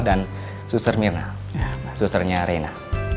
dan susternya reina